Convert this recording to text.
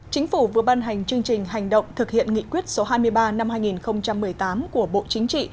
chính phủ vừa ban hành chương trình hành động thực hiện nghị quyết số hai mươi ba năm hai nghìn một mươi tám của bộ chính trị